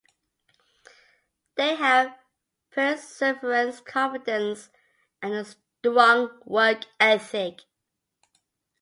They have perseverance, confidence, and a strong work ethic.